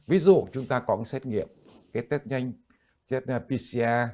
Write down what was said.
ví dụ chúng ta có một xét nghiệm cái test nhanh test pcr